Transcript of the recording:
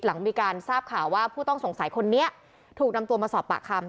หลังมีการทราบข่าวว่าผู้ต้องสงสัยคนนี้ถูกนำตัวมาสอบปากคำ